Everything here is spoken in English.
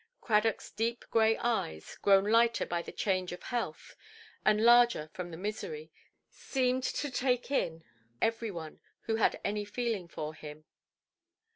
Cradockʼs deep grey eyes, grown lighter by the change of health, and larger from the misery, seemed to take in every one who had any feeling for him.